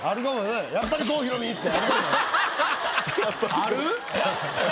ある？